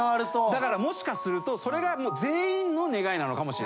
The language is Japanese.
だからもしかするとそれが全員の願いなのかもしれないですね。